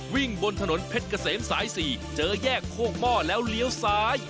บนถนนเพชรเกษมสาย๔เจอแยกโคกหม้อแล้วเลี้ยวซ้าย